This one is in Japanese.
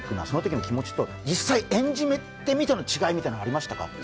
そのときの気持ちと、実際演じてみての違いみたいなものはありましたか？